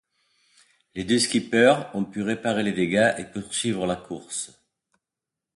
Les deux skippers ont pu réparer les dégâts et poursuivre la course.